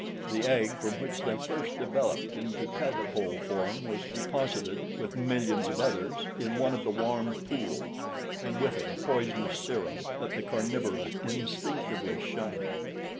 The egg from which they first developed into tadpole form was deposited, with millions of others, in one of the warm pools and with it a poisonous serum that the carnivora instinctively shunned.